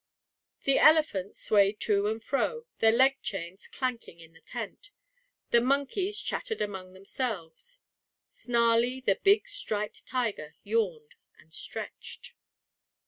The elephants swayed to and fro, their leg chains clanking in the tent. The monkeys chattered among themselves. Snarlie, the big, striped tiger yawned and stretched.